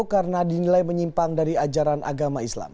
karena dinilai menyimpang dari ajaran agama islam